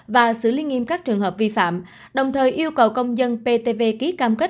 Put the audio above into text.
và xử lý nghiêm các trường hợp vi phạm đồng thời yêu cầu công dân ptv ký cam kết